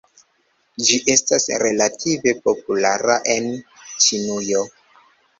Ĝi estas relative populara en Ĉinujo.